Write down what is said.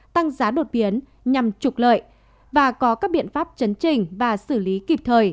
tăng giá đột biến nhằm trục lợi và có các biện pháp chấn trình và xử lý kịp thời